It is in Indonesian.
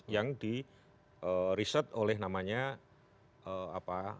yang di research oleh namanya apa